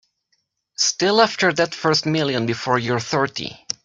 Still after that first million before you're thirty.